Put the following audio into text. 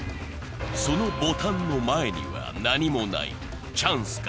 そのボタンの前には何もないチャンスか？